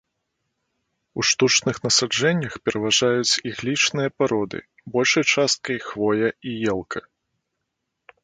У штучных насаджэннях пераважаюць іглічныя пароды, большай часткай хвоя і елка.